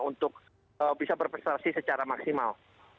untuk bisa berprestasi secara maksimal